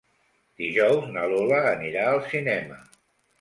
Dijous na Lola anirà al cinema.